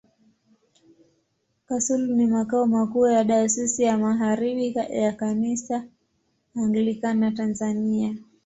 Kasulu ni makao makuu ya Dayosisi ya Magharibi ya Kanisa Anglikana Tanzania.